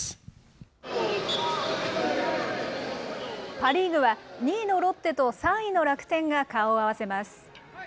パ・リーグは、２位のロッテと３位の楽天が顔を合わせます。